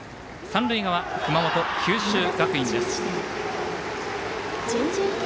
三塁側、熊本、九州学院です。